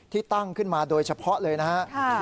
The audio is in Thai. ตั้งขึ้นมาโดยเฉพาะเลยนะครับ